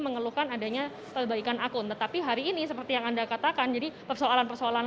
mengeluhkan adanya perbaikan akun tetapi hari ini seperti yang anda katakan jadi persoalan persoalan